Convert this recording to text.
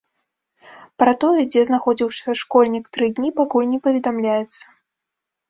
Пра тое, дзе знаходзіўся школьнік тры дні, пакуль не паведамляецца.